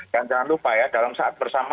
dan jangan lupa ya dalam saat berlaku